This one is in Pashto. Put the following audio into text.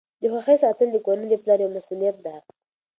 د خوښۍ ساتل د کورنۍ د پلار یوه مسؤلیت ده.